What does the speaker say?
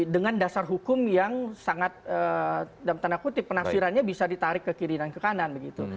dengan dasar hukum yang sangat dalam tanda kutip penafsirannya bisa ditarik ke kiri dan ke kanan begitu